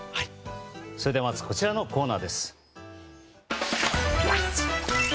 それではまずこちらのコーナーです。